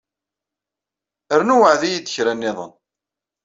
Rnu weɛɛed-iyi-d kra nniḍen.